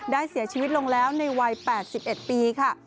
ได้เสียชีวิตลงแล้วในวัย๘๑ปีค่ะ